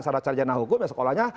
secara cari jenah hukum ya sekolahnya